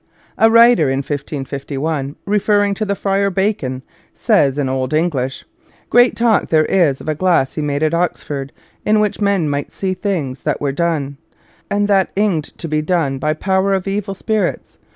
A writer in 1551, referring to " Friar Bacon," says in old English :" Great talke there is of a glasse he made at Oxford, in which men might see things that weare don, and that inged to be don by power of euvill spirites.